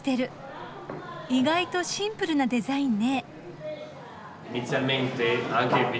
意外とシンプルなデザインね。